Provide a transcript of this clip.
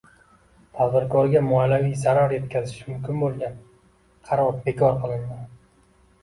Tadbirkorga moliyaviy zarar yetkazishi mumkin bo‘lgan qaror bekor qilinding